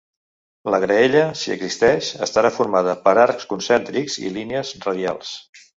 La graella, si existeix, estarà formada per arcs concèntrics i línies radials.